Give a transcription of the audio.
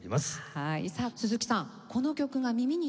はい。